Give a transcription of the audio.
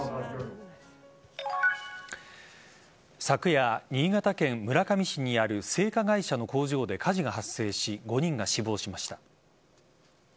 昨夜、新潟県村上市にある製菓会社の工場で火事が発生し５人が死亡しました。